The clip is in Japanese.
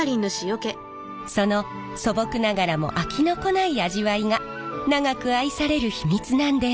その素朴ながらも飽きのこない味わいが長く愛される秘密なんです。